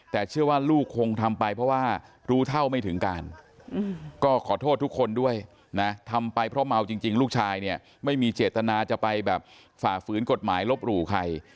แต่เชื่อว่าลูกคงทำไปเพราะว่ารู้เท่าไม่ถึงการก็ขอโทษทุกคนด้วยนะทำไปเพราะเมาจริงลูกชายเนี่ยไม่มีเจตนาจะไปแบบฝ่าฝืนกฎหมายลบหลู่ใคร